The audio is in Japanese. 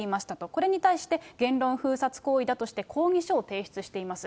これに対して、言論封殺行為だとして抗議書を提出しています。